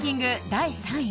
第３位